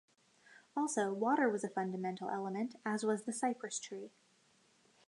Also, water was a fundamental element, as was the cypress tree.